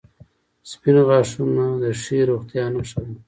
• سپین غاښونه د ښې روغتیا نښه ده.